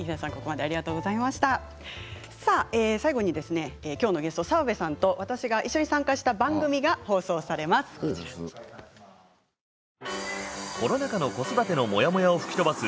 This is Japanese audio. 最後にきょうのゲスト澤部さんと私が一緒に参加した番組が放送されます、こちらです。